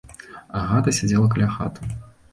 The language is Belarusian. Агата сядзела каля хаты.